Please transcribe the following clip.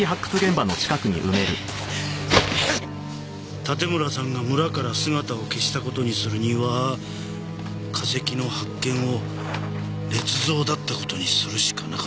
盾村さんが村から姿を消した事にするには化石の発見を捏造だった事にするしかなかった。